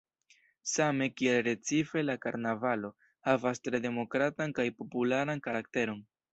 Same kiel Recife la karnavalo havas tre demokratan kaj popularan karakteron.